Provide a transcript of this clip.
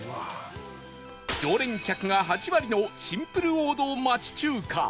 常連客が８割のシンプル王道町中華